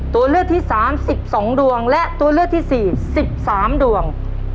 ตัวเลือกที่สามสิบสองดวงและตัวเลือกที่สี่สิบสามดวง